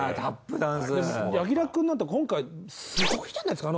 柳楽くんなんて今回すごいじゃないですか。